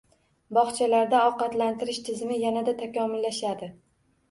Bog‘chalarda ovqatlantirish tizimi yanada takomillashadi